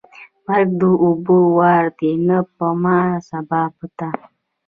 مرګ د اوبو وار دی نن په ما ، سبا په تا.